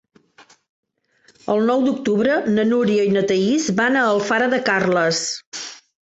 El nou d'octubre na Núria i na Thaís van a Alfara de Carles.